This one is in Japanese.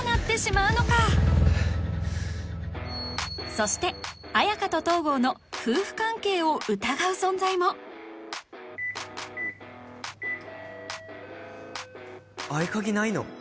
そして綾華と東郷の夫婦関係を疑う存在も・合鍵ないの？